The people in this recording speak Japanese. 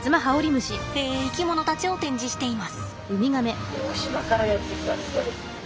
え生き物たちを展示しています。